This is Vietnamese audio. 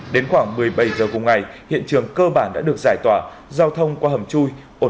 đến khoảng một mươi bảy h cùng ngày hiện trường cơ bản đã được giải tỏa giao thông qua hầm chui ổn định trở lại